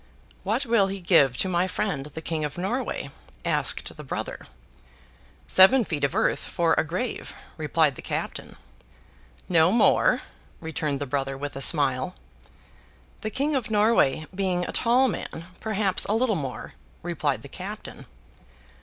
'What will he give to my friend the King of Norway?' asked the brother. 'Seven feet of earth for a grave,' replied the captain. 'No more?' returned the brother, with a smile. 'The King of Norway being a tall man, perhaps a little more,' replied the captain.